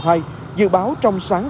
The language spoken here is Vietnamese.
trong ngày dự báo trong sáng và hôm nay